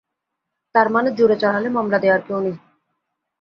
তার মানে জোরে চালালে মামলা দেয়ার কেউ নেই।